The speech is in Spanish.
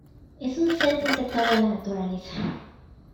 Es un ser protector de la naturaleza.